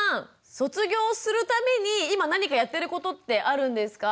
卒業するために今何かやってることってあるんですか？